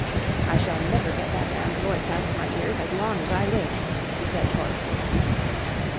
"I shall never get that man's voice out of my ears as long as I live," he said hoarsely.